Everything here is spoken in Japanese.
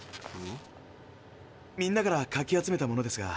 みんなからかき集めたものですが。